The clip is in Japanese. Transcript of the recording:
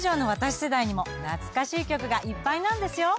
世代にも懐かしい曲がいっぱいなんですよ。